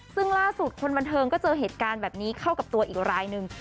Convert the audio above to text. ซึ่งล่าสุดคนบันเทิงก็เจอเหตุการณ์แบบนี้เข้ากับตัวอีกรายหนึ่ง